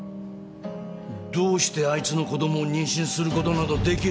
どうしてあいつの子供を妊娠することなどできる。